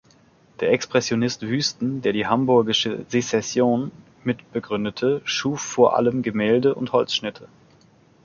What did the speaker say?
Der Expressionist Wüsten, der die „Hamburgische Sezession“ mitbegründete, schuf vor allem Gemälde und Holzschnitte.